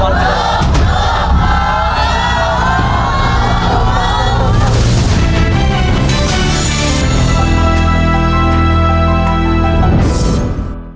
๖ลูก